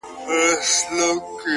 • ژړا نه وه څو پیسوته خوشالي وه ,